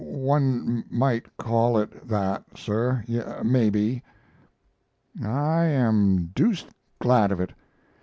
"One might call it that, sir, maybe." "I am deuced glad of it!